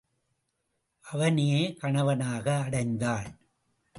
அவனையே கணவனாக அடைந்தாள்.